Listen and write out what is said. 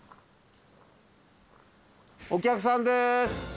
お客さんです。